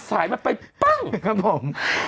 ครับผม